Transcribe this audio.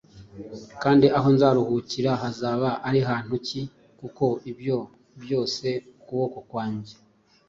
Kandi aho nzaruhukira hazaba ari hantu ki kuko ibyo byose ukuboko kwanjye